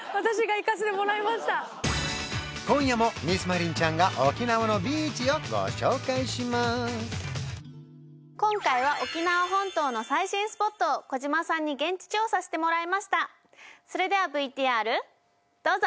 今夜もミスマリンちゃんが今回は沖縄本島の最新スポットを小島さんに現地調査してもらいましたそれではＶＴＲどうぞ！